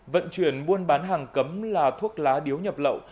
vận chuyển buôn bán hàng cấm là thuốc lá điếu nhập lậu